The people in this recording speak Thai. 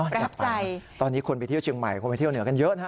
อยากไปตอนนี้คนไปเที่ยวเชียงใหม่คนไปเที่ยวเหนือกันเยอะนะฮะ